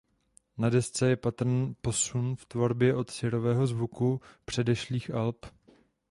Na desce je patrný posun v tvorbě od syrového zvuku předešlých alb.